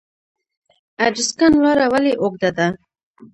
ادرسکن لاره ولې اوږده ده؟